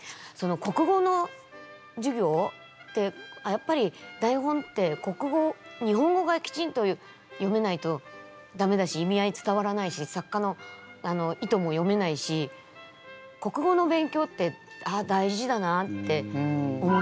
国語の授業ってやっぱり台本って日本語がきちんと読めないと駄目だし意味合い伝わらないし作家の意図も読めないし国語の勉強ってああ大事だなって思ったり。